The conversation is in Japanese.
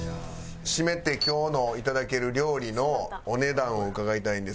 締めて今日のいただける料理のお値段を伺いたいんですが。